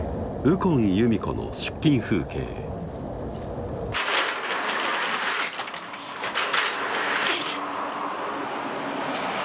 右近由美子の出勤風景よいしょ